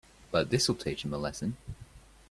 But this'll teach them a lesson.